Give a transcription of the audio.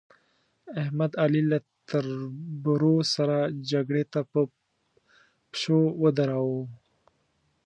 احمد؛ علي له تربرو سره جګړې ته په پشو ودراوو.